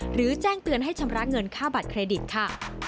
แจ้งเตือนให้ชำระเงินค่าบัตรเครดิตค่ะ